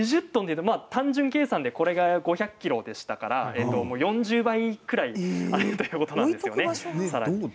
単純計算で、これが５００ｋｇでしたから４０倍ぐらいあるということです。